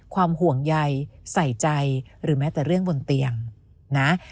ความห่วงใยใส่ใจหรือแม้แต่เรื่องบนเตียงนะ